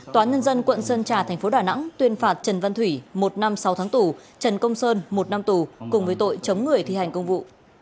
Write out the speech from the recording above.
tòa nhân dân quận sơn trà thành phố đà nẵng tuyên phạt trần văn thủy một năm sáu tháng tù trần công sơn một năm tù cùng với tội chống người thi hành công vụ